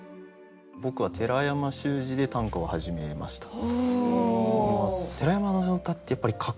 僕は寺山修司で短歌を始めました。